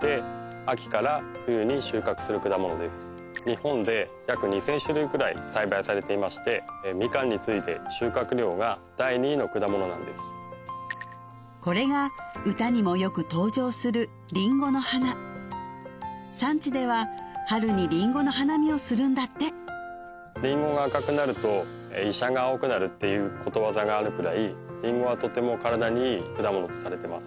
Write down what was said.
日本で約２０００種類くらい栽培されていましてみかんに次いで収穫量が第２位の果物なんですこれが歌にもよく登場するリンゴの花産地では春にリンゴの花見をするんだってっていうことわざがあるくらいリンゴはとても体にいい果物とされています